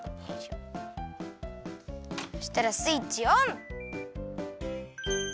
そしたらスイッチオン！